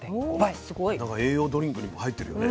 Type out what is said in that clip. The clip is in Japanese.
なんか栄養ドリンクにも入ってるよね